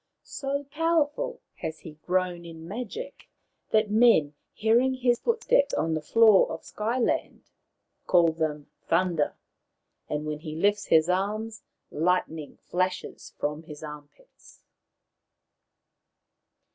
So powerful has he grown in magic that men, hearing his footsteps on the floor of Sky land, call them thunder ; and when he lifts his arms lightning flashes from his armpits.